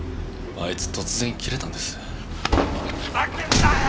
あいつ突然キレたんです。